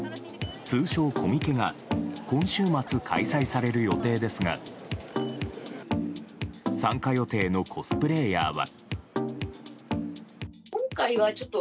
通称コミケが今週末開催される予定ですが参加予定のコスプレーヤーは。